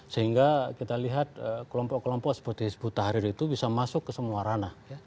sehingga kita lihat kelompok kelompok seperti hizbut tahrir itu bisa masuk ke semua ranah